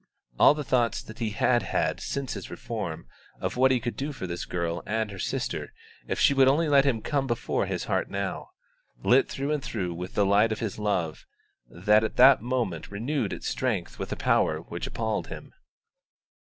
All the thoughts that he had had since his reform of what he could do for this girl and her sister if she would only let him came before his heart now, lit through and through with the light of his love that at that moment renewed its strength with a power which appalled him.